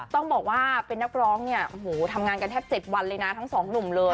ต้องบอกว่าเป็นนักร้องเนี่ยโอ้โหทำงานกันแทบ๗วันเลยนะทั้งสองหนุ่มเลย